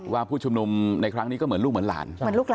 ผู้ชุมนุมในครั้งนี้ก็เหมือนลูกเหมือนหลาน